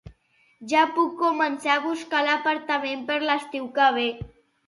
Ja puc començar a buscar apartament per l'estiu que ve